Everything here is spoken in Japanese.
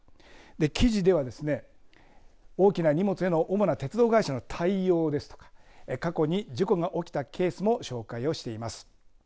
記事では大きな荷物への主な鉄道会社の対応ですとか過去に事故が起きたケースも紹介をしています。